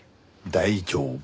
大丈夫。